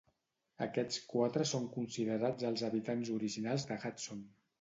Aquests quatre són considerats els habitants originals de Hudson.